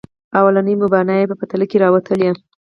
لومړني مباني یې په تله کې راوتلي.